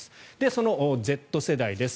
そのＺ世代です。